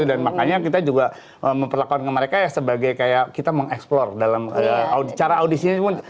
dan makanya kita juga memperlakukan ke mereka ya sebagai kayak kita mengeksplor dalam cara audisi ini